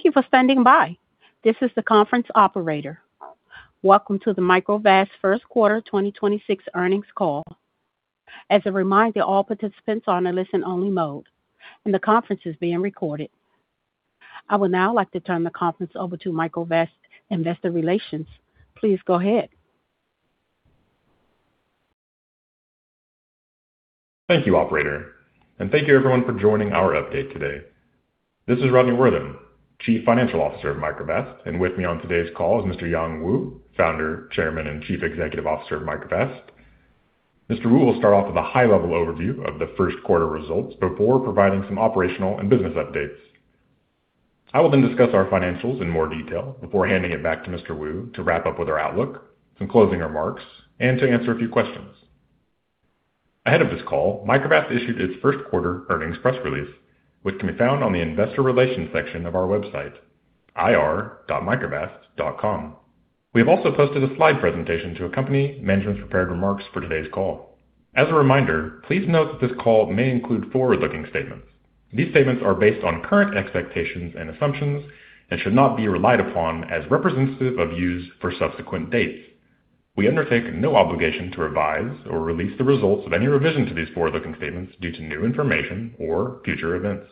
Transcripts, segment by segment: Thank you for standing by. This is the conference operator. Welcome to the Microvast first quarter 2026 earnings call. As a reminder, all participants are on a listen-only mode, and the conference is being recorded. I would now like to turn the conference over to Microvast investor relations. Please go ahead. Thank you, operator, and thank you everyone for joining our update today. This is Rodney Worthen, Chief Financial Officer of Microvast, and with me on today's call is Mr. Yang Wu, Founder, Chairman, and Chief Executive Officer of Microvast. Mr. Wu will start off with a high-level overview of the first quarter results before providing some operational and business updates. I will then discuss our financials in more detail before handing it back to Mr. Wu to wrap up with our outlook, some closing remarks, and to answer a few questions. Ahead of this call, Microvast issued its first quarter earnings press release, which can be found on the investor relations section of our website, ir.microvast.com. We have also posted a slide presentation to accompany management's prepared remarks for today's call. As a reminder, please note that this call may include forward-looking statements. These statements are based on current expectations and assumptions and should not be relied upon as representative of use for subsequent dates. We undertake no obligation to revise or release the results of any revision to these forward-looking statements due to new information or future events.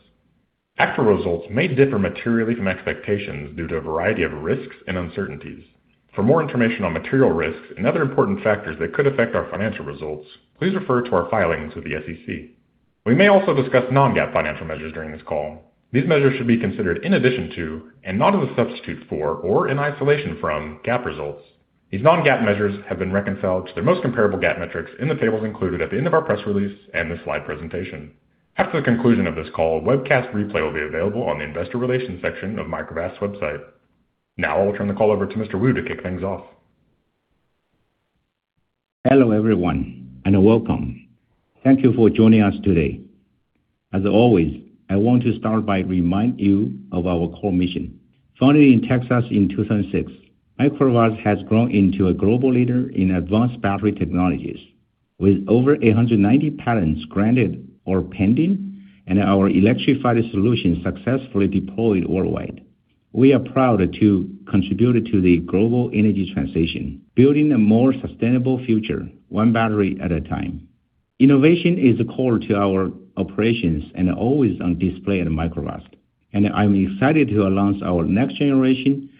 Actual results may differ materially from expectations due to a variety of risks and uncertainties. For more information on material risks and other important factors that could affect our financial results, please refer to our filings with the SEC. We may also discuss non-GAAP financial measures during this call. These measures should be considered in addition to and not as a substitute for or in isolation from GAAP results. These non-GAAP measures have been reconciled to their most comparable GAAP metrics in the tables included at the end of our press release and the slide presentation. After the conclusion of this call, a webcast replay will be available on the investor relations section of Microvast's website. I will turn the call over to Mr. Wu to kick things off. Hello, everyone, and welcome. Thank you for joining us today. As always, I want to start by remind you of our core mission. Founded in Texas in 2006, Microvast has grown into a global leader in advanced battery technologies. With over 890 patents granted or pending and our electrified solutions successfully deployed worldwide, we are proud to contribute to the global energy transition, building a more sustainable future, one battery at a time. Innovation is core to our operations and always on display at Microvast, and I'm excited to announce our next-generation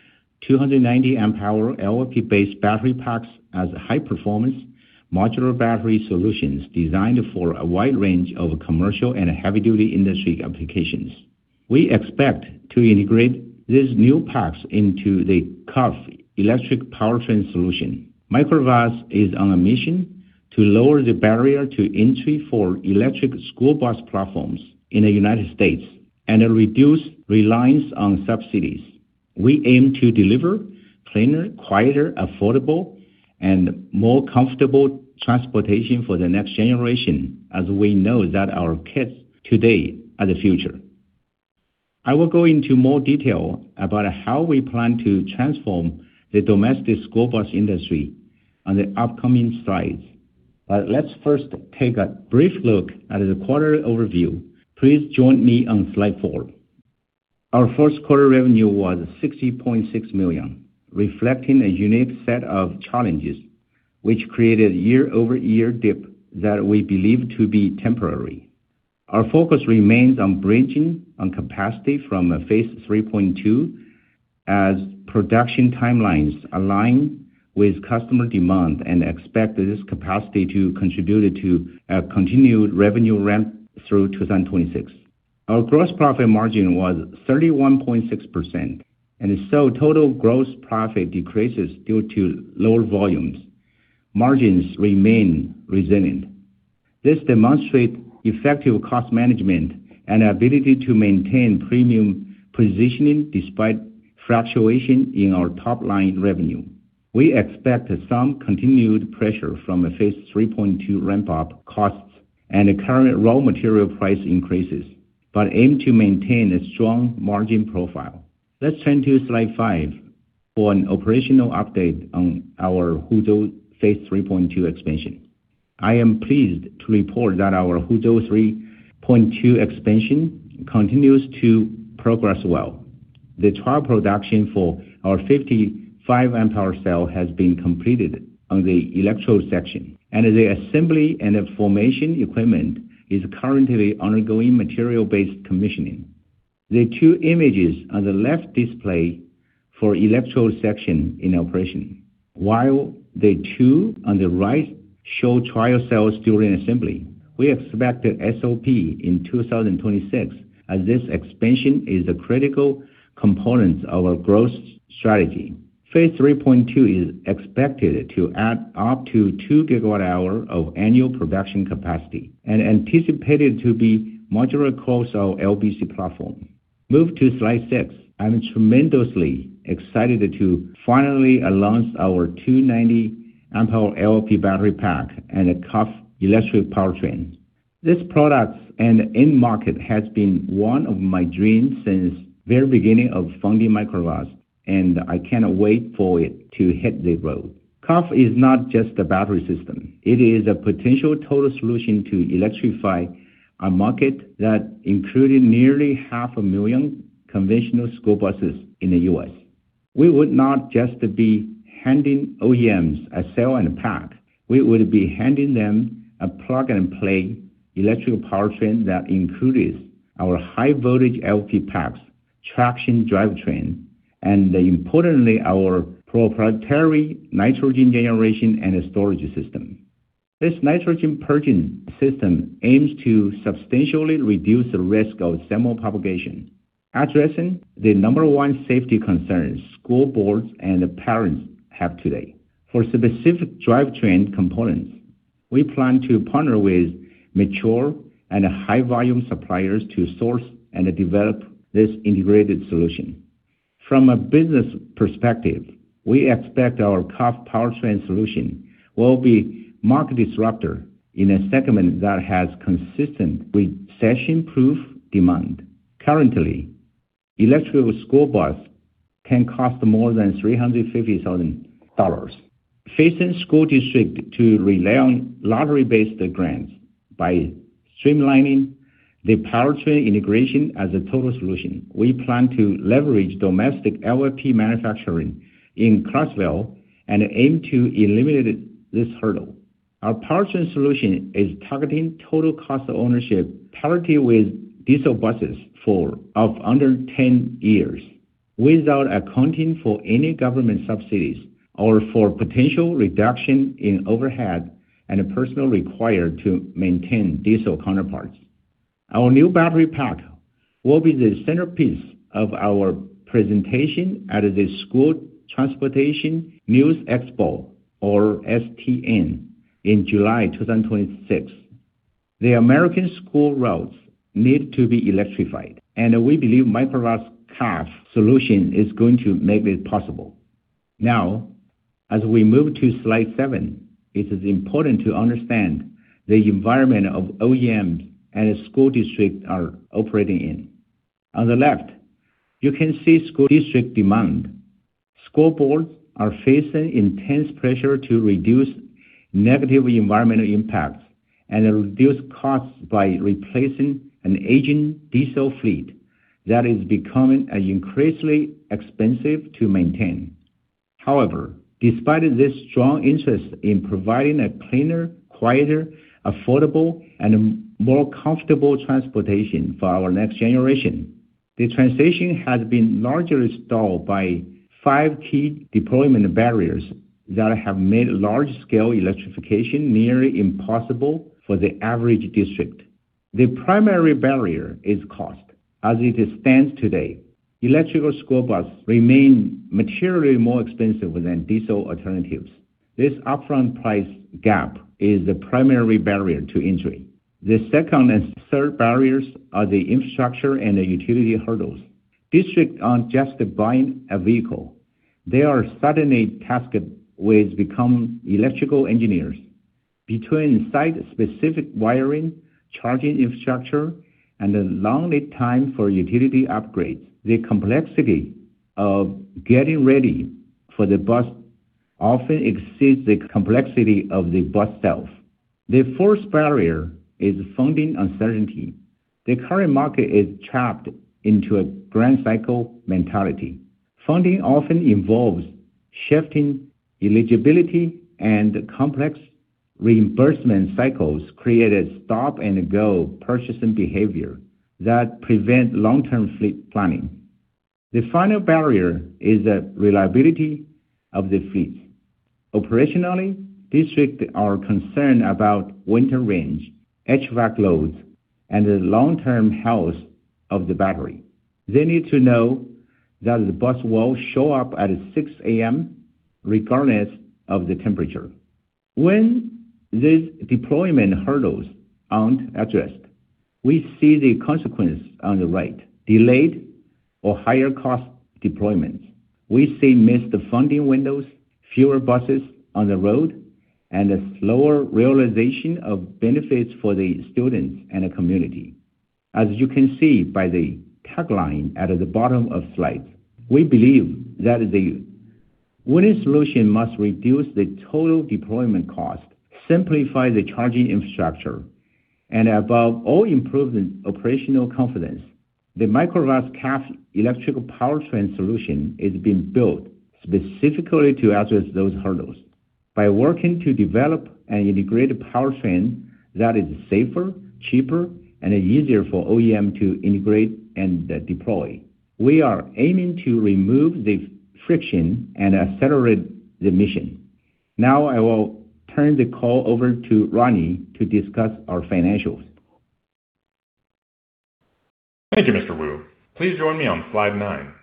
290 amp hour LFP-based battery packs as high-performance modular battery solutions designed for a wide range of commercial and heavy-duty industry applications. We expect to integrate these new packs into the CAF electric powertrain solution. Microvast is on a mission to lower the barrier to entry for electric school bus platforms in the U.S. and reduce reliance on subsidies. We aim to deliver cleaner, quieter, affordable, and more comfortable transportation for the next generation, as we know that our kids today are the future. I will go into more detail about how we plan to transform the domestic school bus industry on the upcoming slides. Let's first take a brief look at the quarterly overview. Please join me on slide four. Our first quarter revenue was $60.6 million, reflecting a unique set of challenges which created year-over-year dip that we believe to be temporary. Our focus remains on bridging on capacity from Phase 3.2 as production timelines align with customer demand and expect this capacity to contribute to a continued revenue ramp through 2026. Our gross profit margin was 31.6%. Total gross profit decreases due to lower volumes. Margins remain resilient. This demonstrate effective cost management and ability to maintain premium positioning despite fluctuation in our top-line revenue. We expect some continued pressure from a Phase 3.2 ramp-up costs and current raw material price increases aim to maintain a strong margin profile. Let's turn to slide five for an operational update on our Huzhou Phase 3.2 expansion. I am pleased to report that our Huzhou 3.2 expansion continues to progress well. The trial production for our 55 amp hour cell has been completed on the electrode section, the assembly and formation equipment is currently undergoing material-based commissioning. The two images on the left display the electrode section in operation, while the two on the right show trial cells during assembly. We expect SOP in 2026, as this expansion is a critical component of our growth strategy. Phase 3.2 is expected to add up to 2 GWh of annual production capacity and anticipated to be modular across our LBC platform. Move to slide six. I'm tremendously excited to finally announce our 290 amp hour LFP battery pack and a CAF electric powertrain. This product and end market has been one of my dreams since very beginning of founding Microvast, and I cannot wait for it to hit the road. CAF is not just a battery system. It is a potential total solution to electrify a market that included nearly half millon conventional school buses in the U.S. We would not just be handing OEMs a cell and pack, we would be handing them a plug-and-play electrical powertrain that includes our high voltage LFP packs, traction drivetrain, and importantly, our proprietary nitrogen generation and storage system. This nitrogen purging system aims to substantially reduce the risk of thermal propagation, addressing the number one safety concern school boards and parents have today. For specific drivetrain components, we plan to partner with mature and high volume suppliers to source and develop this integrated solution. From a business perspective, we expect our CAF powertrain solution will be a market disruptor in a segment that has consistent recession-proof demand. Currently, electrical school bus can cost more than $350,000, forcing school districts to rely on lottery-based grants. By streamlining the powertrain integration as a total solution, we plan to leverage domestic LFP manufacturing in Clarksville and aim to eliminate this hurdle. Our powertrain solution is targeting total cost of ownership parity with diesel buses for of under 10 years without accounting for any government subsidies or for potential reduction in overhead and personnel required to maintain diesel counterparts. Our new battery pack will be the centerpiece of our presentation at the School Transportation News EXPO, or STN, in July 2026. The American school routes need to be electrified, we believe Microvast CAF solution is going to make it possible. As we move to slide seven, it is important to understand the environment of OEM and school districts are operating in. On the left, you can see school district demand. School boards are facing intense pressure to reduce negative environmental impacts and reduce costs by replacing an aging diesel fleet that is becoming increasingly expensive to maintain. However, despite this strong interest in providing a cleaner, quieter, affordable, and more comfortable transportation for our next generation, the transition has been largely stalled by five key deployment barriers that have made large-scale electrification nearly impossible for the average district. The primary barrier is cost. As it stands today, electric school bus remain materially more expensive than diesel alternatives. This upfront price gap is the primary barrier to entry. The second and third barriers are the infrastructure and the utility hurdles. Districts aren't just buying a vehicle. They are suddenly tasked with become electrical engineers. Between site-specific wiring, charging infrastructure, and the long lead time for utility upgrades, the complexity of getting ready for the bus often exceeds the complexity of the bus itself. The fourth barrier is funding uncertainty. The current market is trapped into a grant cycle mentality. Funding often involves shifting eligibility and complex reimbursement cycles create a stop-and-go purchasing behavior that prevent long-term fleet planning. The final barrier is the reliability of the fleet. Operationally, districts are concerned about winter range, HVAC loads, and the long-term health of the battery. They need to know that the bus will show up at 6:00 A.M. regardless of the temperature. When these deployment hurdles aren't addressed, we see the consequence on the right, delayed or higher cost deployments. We see missed funding windows, fewer buses on the road, and a slower realization of benefits for the students and the community. As you can see by the tagline at the bottom of slide, we believe that the winning solution must reduce the total deployment cost, simplify the charging infrastructure, and above all, improve the operational confidence. The Microvast CAF electrical powertrain solution is being built specifically to address those hurdles. By working to develop an integrated powertrain that is safer, cheaper, and easier for OEM to integrate and deploy, we are aiming to remove the friction and accelerate the mission. I will turn the call over to Rodney Worthen to discuss our financials. Thank you, Mr. Wu. Please join me on slide nine.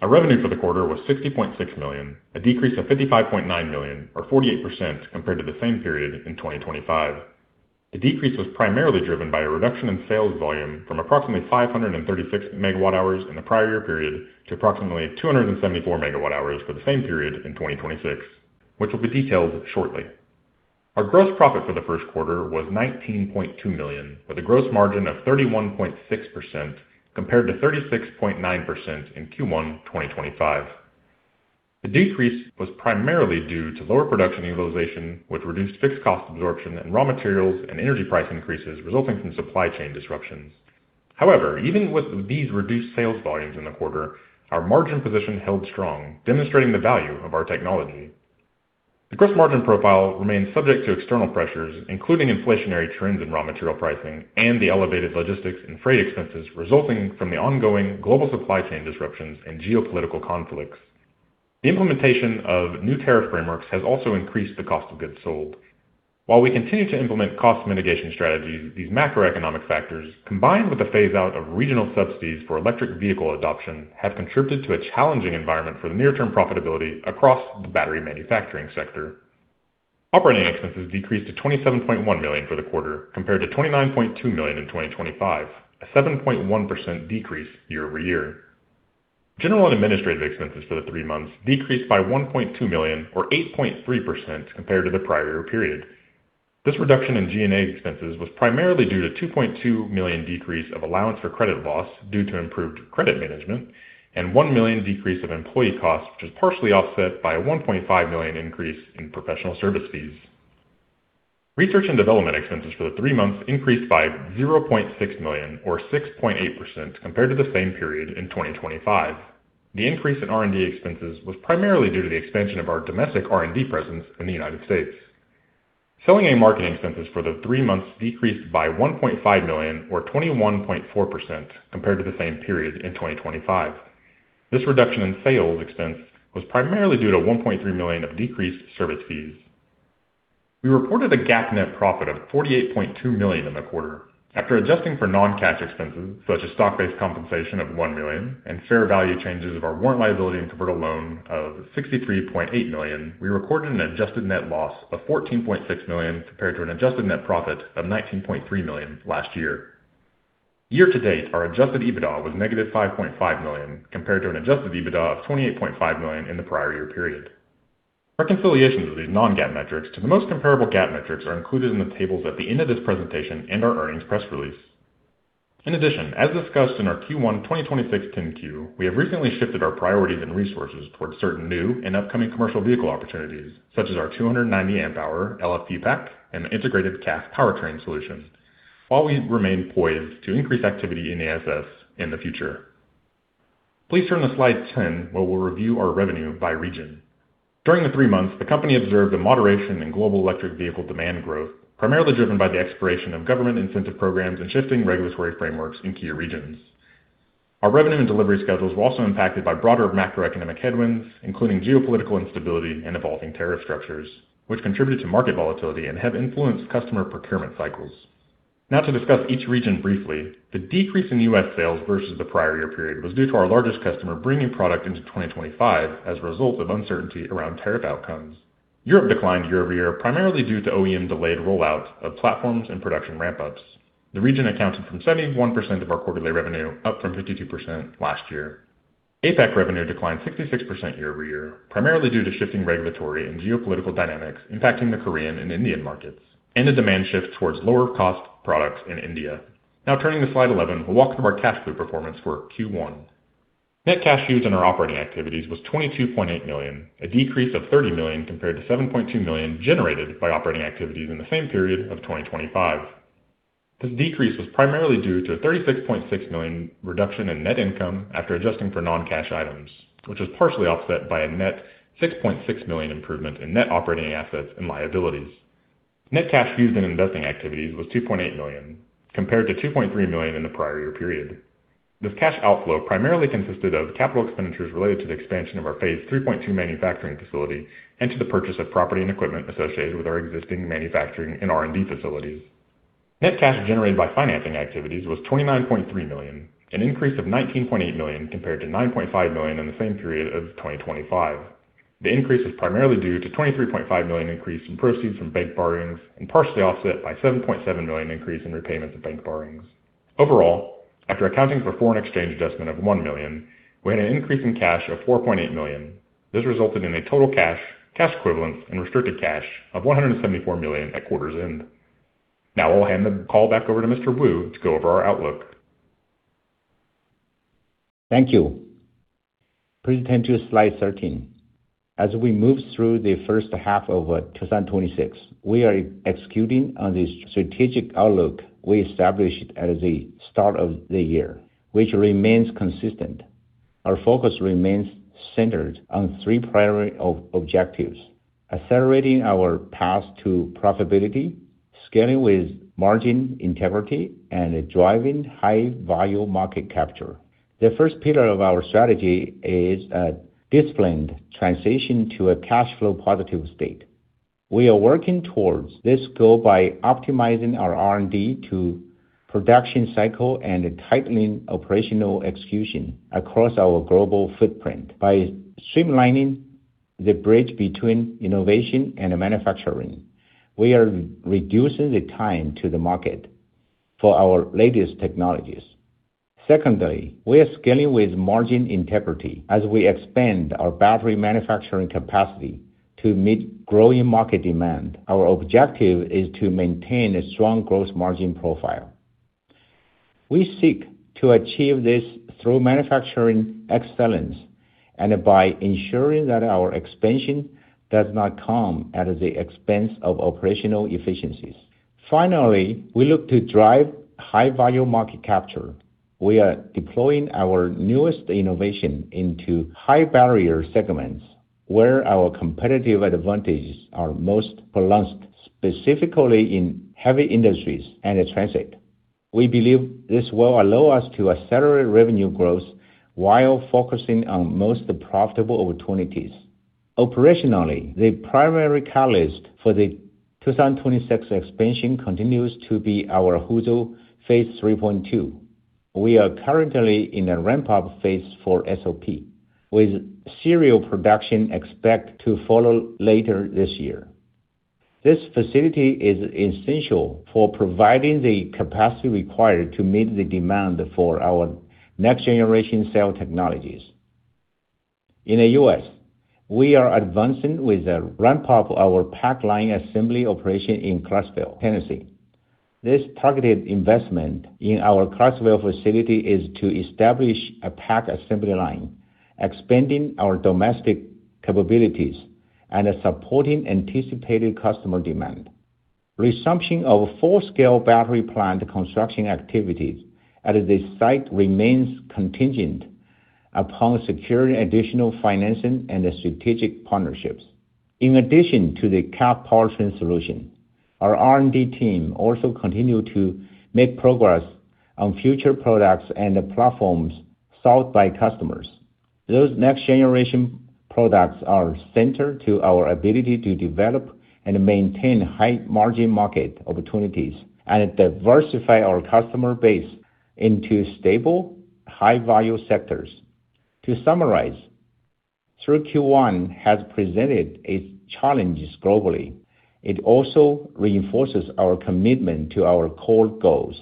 Our revenue for the quarter was $60.6 million, a decrease of $55.9 million or 48% compared to the same period in 2025. The decrease was primarily driven by a reduction in sales volume from approximately 536 MWhs in the prior year period to approximately 274 MWh for the same period in 2026, which will be detailed shortly. Our gross profit for the first quarter was $19.2 million, with a gross margin of 31.6% compared to 36.9% in Q1 2025. The decrease was primarily due to lower production utilization, which reduced fixed cost absorption and raw materials and energy price increases resulting from supply chain disruptions. However, even with these reduced sales volumes in the quarter, our margin position held strong, demonstrating the value of our technology. The gross margin profile remains subject to external pressures, including inflationary trends in raw material pricing and the elevated logistics and freight expenses resulting from the ongoing global supply chain disruptions and geopolitical conflicts. The implementation of new tariff frameworks has also increased the cost of goods sold. While we continue to implement cost mitigation strategies, these macroeconomic factors, combined with the Phase-out of regional subsidies for electric vehicle adoption, have contributed to a challenging environment for the near-term profitability across the battery manufacturing sector. Operating expenses decreased to $27.1 million for the quarter, compared to $29.2 million in 2025, a 7.1% decrease year-over-year. General and administrative expenses for the three months decreased by $1.2 million or 8.3% compared to the prior year period. This reduction in G&A expenses was primarily due to $2.2 million decrease of allowance for credit loss due to improved credit management and $1 million decrease of employee costs, which was partially offset by a $1.5 million increase in professional service fees. Research and development expenses for the threemonths increased by $0.6 million or 6.8% compared to the same period in 2025. The increase in R&D expenses was primarily due to the expansion of our domestic R&D presence in the U.S. Selling and marketing expenses for the three months decreased by $1.5 million or 21.4% compared to the same period in 2025. This reduction in sales expense was primarily due to $1.3 million of decreased service fees. We reported a GAAP net profit of $48.2 million in the quarter. After adjusting for non-cash expenses, such as stock-based compensation of $1 million and fair value changes of our warrant liability and convertible loan of $63.8 million, we recorded an adjusted net loss of $14.6 million compared to an adjusted net profit of $19.3 million last year. Year-to-date, our adjusted EBITDA was negative $5.5 million compared to an adjusted EBITDA of $28.5 million in the prior year period. Reconciliations of these non-GAAP metrics to the most comparable GAAP metrics are included in the tables at the end of this presentation and our earnings press release. In addition, as discussed in our Q1 2026 10-Q, we have recently shifted our priorities and resources towards certain new and upcoming commercial vehicle opportunities, such as our 290 amp hour LFP pack and the integrated CAF powertrain solution, while we remain poised to increase activity in All-Solid-State in the future. Please turn to slide 10, where we'll review our revenue by region. During the three months, the company observed a moderation in global electric vehicle demand growth, primarily driven by the expiration of government incentive programs and shifting regulatory frameworks in key regions. Our revenue and delivery schedules were also impacted by broader macroeconomic headwinds, including geopolitical instability and evolving tariff structures, which contributed to market volatility and have influenced customer procurement cycles. To discuss each region briefly. The decrease in U.S. sales versus the prior year period was due to our largest customer bringing product into 2025 as a result of uncertainty around tariff outcomes. Europe declined year-over-year, primarily due to OEM delayed rollout of platforms and production ramp-ups. The region accounted for 71% of our quarterly revenue, up from 52% last year. APAC revenue declined 66% year-over-year, primarily due to shifting regulatory and geopolitical dynamics impacting the Korean and Indian markets, and a demand shift towards lower cost products in India. Now turning to slide 11, we'll walk through our cash flow performance for Q1. Net cash used in our operating activities was $22.8 million, a decrease of $30 million compared to $7.2 million generated by operating activities in the same period of 2025. This decrease was primarily due to a $36.6 million reduction in net income after adjusting for non-cash items, which was partially offset by a net $6.6 million improvement in net operating assets and liabilities. Net cash used in investing activities was $2.8 million, compared to $2.3 million in the prior year period. This cash outflow primarily consisted of capital expenditures related to the expansion of our Phase 3.2 manufacturing facility and to the purchase of property and equipment associated with our existing manufacturing and R&D facilities. Net cash generated by financing activities was $29.3 million, an increase of $19.8 million compared to $9.5 million in the same period of 2025. The increase was primarily due to $23.5 million increase in proceeds from bank borrowings and partially offset by $7.7 million increase in repayments of bank borrowings. Overall, after accounting for foreign exchange adjustment of $1 million, we had an increase in cash of $4.8 million. This resulted in a total cash equivalents and restricted cash of $174 million at quarter's end. Now I'll hand the call back over to Mr. Wu to go over our outlook. Thank you. Please turn to slide 13. As we move through the first half of 2026, we are executing on the strategic outlook we established at the start of the year, which remains consistent. Our focus remains centered on three primary objectives: accelerating our path to profitability, scaling with margin integrity, and driving high value market capture. The first pillar of our strategy is a disciplined transition to a cash flow positive state. We are working towards this goal by optimizing our R&D to production cycle and tightening operational execution across our global footprint. By streamlining the bridge between innovation and manufacturing, we are reducing the time to the market for our latest technologies. Secondly, we are scaling with margin integrity. As we expand our battery manufacturing capacity to meet growing market demand, our objective is to maintain a strong gross margin profile. We seek to achieve this through manufacturing excellence and by ensuring that our expansion does not come at the expense of operational efficiencies. Finally, we look to drive high value market capture. We are deploying our newest innovation into high barrier segments where our competitive advantages are most pronounced, specifically in heavy industries and transit. We believe this will allow us to accelerate revenue growth while focusing on most profitable opportunities. Operationally, the primary catalyst for the 2026 expansion continues to be our Huzhou Phase 3.2. We are currently in a ramp-up Phase for SOP, with serial production expect to follow later this year. This facility is essential for providing the capacity required to meet the demand for our next generation cell technologies. In the U.S., we are advancing with the ramp up of our pack line assembly operation in Clarksville, Tennessee. This targeted investment in our Clarksville facility is to establish a pack assembly line, expanding our domestic capabilities and supporting anticipated customer demand. Resumption of full-scale battery plant construction activities at this site remains contingent upon securing additional financing and strategic partnerships. In addition to the CAF powertrain solution, our R&D team also continue to make progress on future products and platforms sought by customers. Those next generation products are centered to our ability to develop and maintain high margin market opportunities and diversify our customer base into stable, high value sectors. To summarize, through Q1 has presented its challenges globally, it also reinforces our commitment to our core goals.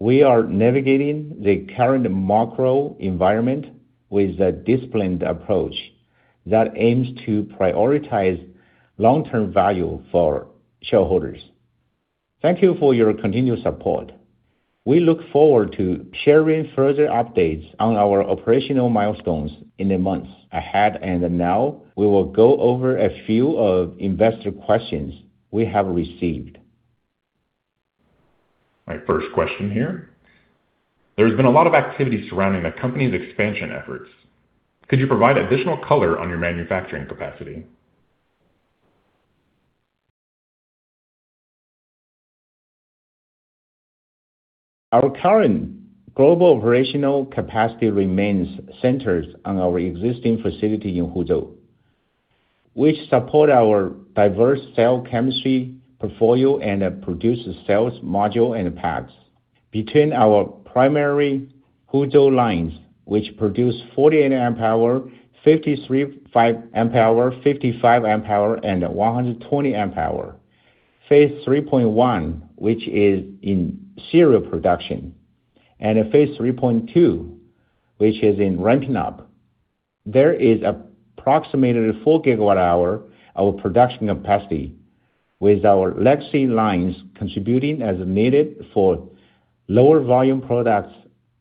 We are navigating the current macro environment with a disciplined approach that aims to prioritize long-term value for shareholders. Thank you for your continued support. We look forward to sharing further updates on our operational milestones in the months ahead. Now we will go over a few of investor questions we have received. My first question here. There's been a lot of activity surrounding the company's expansion efforts. Could you provide additional color on your manufacturing capacity? Our current global operational capacity remains centered on our existing facility in Huzhou, which support our diverse cell chemistry portfolio and produce cells, module, and packs. Between our primary Huzhou lines, which produce 48 amp hour, 53.5 amp hour, 55 amp hour, and 120 amp hour. Phase 3.1, which is in serial production, and Phase 3.2, which is in ramping up. There is approximately 4 GWh of production capacity, with our legacy lines contributing as needed for lower volume products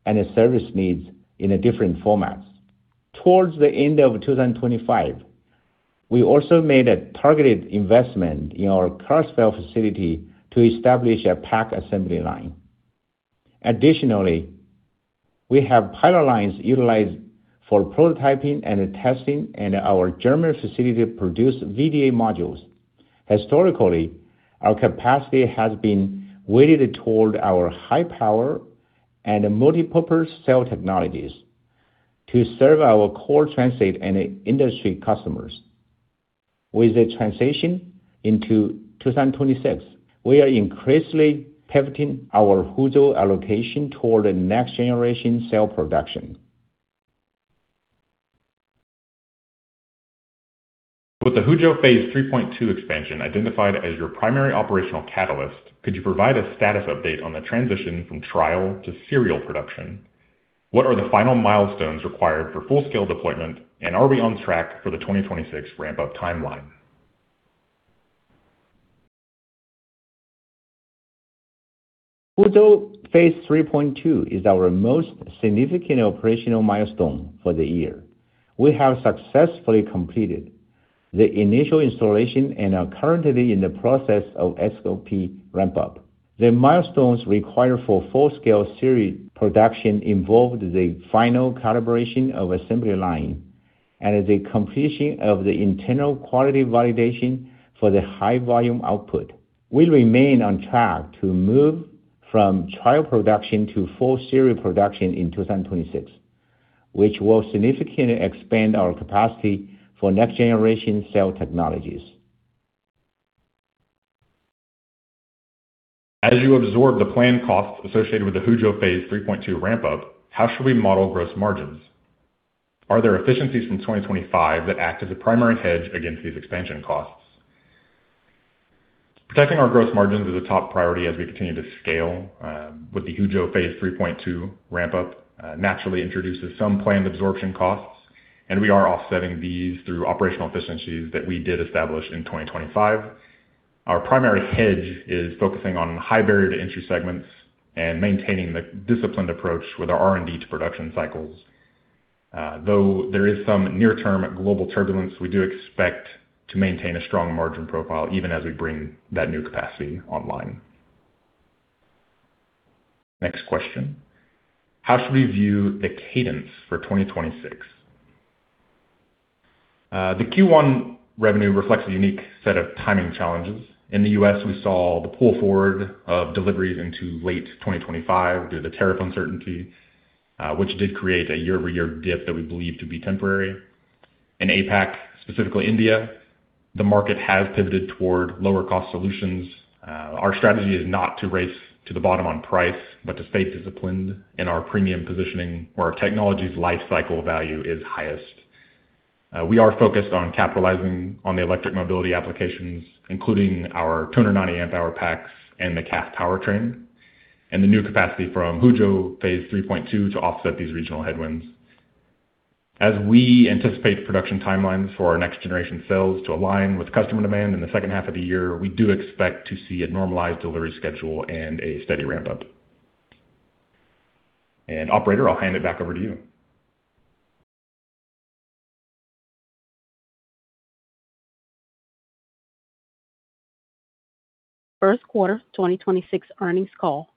and service needs in different formats. Towards the end of 2025, we also made a targeted investment in our Clarksville facility to establish a pack assembly line. Additionally, we have pilot lines utilized for prototyping and testing, and our German facility produce VDA modules. Historically, our capacity has been weighted toward our high power and multipurpose cell technologies to serve our core transit and industry customers. With the transition into 2026, we are increasingly pivoting our Huzhou allocation toward next generation cell production. With the Huzhou Phase 3.2 expansion identified as your primary operational catalyst, could you provide a status update on the transition from trial to serial production? What are the final milestones required for full-scale deployment, and are we on track for the 2026 ramp-up timeline? Huzhou Phase 3.2 is our most significant operational milestone for the year. We have successfully completed the initial installation and are currently in the process of SOP ramp-up. The milestones required for full-scale series production involve the final calibration of assembly line and the completion of the internal quality validation for the high volume output. We remain on track to move from trial production to full serial production in 2026, which will significantly expand our capacity for next generation cell technologies. As you absorb the planned costs associated with the Huzhou Phase 3.2 ramp-up, how should we model gross margins? Are there efficiencies from 2025 that act as a primary hedge against these expansion costs? Protecting our gross margins is a top priority as we continue to scale, with the Huzhou Phase 3.2 ramp-up naturally introduces some planned absorption costs, and we are offsetting these through operational efficiencies that we did establish in 2025. Our primary hedge is focusing on high barrier to entry segments and maintaining the disciplined approach with our R&D to production cycles. Though there is some near-term global turbulence, we do expect to maintain a strong margin profile even as we bring that new capacity online. Next question, how should we view the cadence for 2026? The Q1 revenue reflects a unique set of timing challenges. In the U.S., we saw the pull forward of deliveries into late 2025 due to the tariff uncertainty, which did create a year-over-year dip that we believe to be temporary. In APAC, specifically India, the market has pivoted toward lower cost solutions. Our strategy is not to race to the bottom on price, but to stay disciplined in our premium positioning where our technology's life cycle value is highest. We are focused on capitalizing on the electric mobility applications, including our 290 amp hour packs and the CAF powertrain, and the new capacity from Huzhou Phase 3.2 to offset these regional headwinds. As we anticipate production timelines for our next generation cells to align with customer demand in the second half of the year, we do expect to see a normalized delivery schedule and a steady ramp-up. Operator, I'll hand it back over to you. First quarter 2026 earnings call.